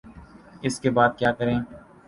اس کے بعد کیا کریں؟